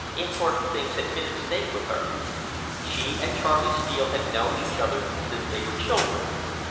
Important things had been at stake with her. She and Charley Steele had known each other since they were children.